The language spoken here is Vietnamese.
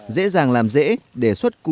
dễ dàng làm dễ để xuất củ